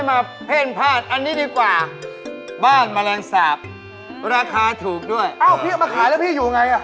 อ้าวพี่ออกมาขายแล้วพี่อยู่ไง